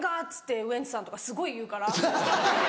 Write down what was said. っつってウエンツさんとかすごい言うから。